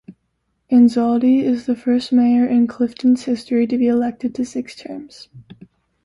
Anzaldi is the first mayor in Clifton's history to be elected to six terms.